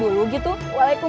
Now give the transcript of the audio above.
di bruisi itumu ada bududa